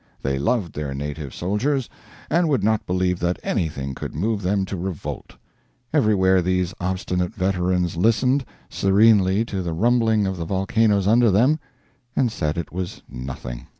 They loved their native soldiers, and would not believe that anything could move them to revolt. Everywhere these obstinate veterans listened serenely to the rumbling of the volcanoes under them, and said it was nothing.